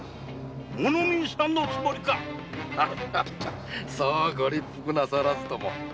物見遊山のおつもりかそうご立腹なさらずとも。